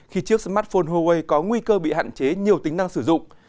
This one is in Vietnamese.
khi chiếc smartphone huawei có nguy cơ bị hạn chế nhiều tính năng sử dụng